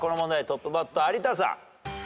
トップバッター有田さん。